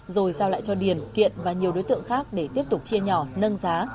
rồi giao lại cho điền kiện và nhiều đối tượng khác để tiếp tục chia nhỏ nâng giá